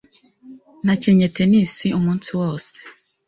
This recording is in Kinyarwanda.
Nakinnye tennis umunsi wose.